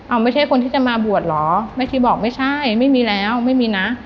เอาไม่ใช่คนที่จะมาบวชเหรอแม่ชีบอกไม่ใช่ไม่มีแล้วไม่มีนะ